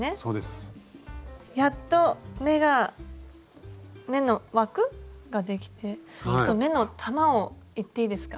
やっと目が目の枠？ができてちょっと目の玉をいっていいですか？